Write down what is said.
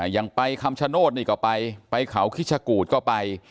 อย่างไปคำชโนธนี่ก็ไปไปเขาคิชกูธก็ไป